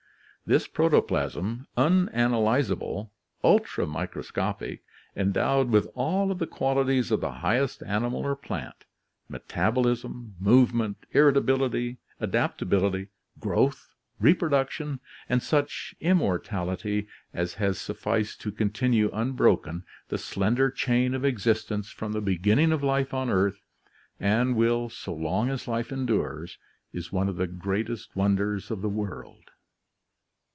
This protoplasm, unanalyzable, ultramicroscopic, endowed with all of the qualities of the highest animal or plant — metabolism, movement, irritability, adaptability, growth, reproduction, and such "immortality" as has sufficed to continue unbroken the slender chain of existence from the beginning of life on earth, and will so long as life endures — is one of the greatest wonders of the world!